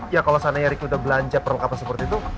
ya kalau seandainya ricky udah belanja perlengkapan seperti itu